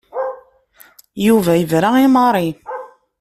Yuba yebra i Mary.